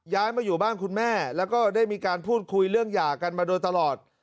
ย้ายมาอยู่บ้านคุณแม่แล้วก็ได้มีการพูดคุยเรื่องหย่ากันมาโดยตลอด